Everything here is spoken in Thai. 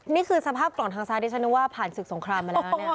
นี่คือสภาพกล่องทางซ้ายที่ฉันนึกว่าผ่านศึกสงครามมาแล้วนะครับ